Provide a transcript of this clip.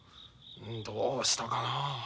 どうしたかなあ。